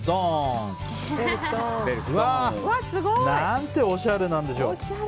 何ておしゃれなんでしょう。